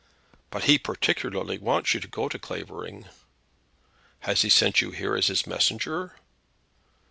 "But he particularly wants you to go to Clavering." "Has he sent you here as his messenger?"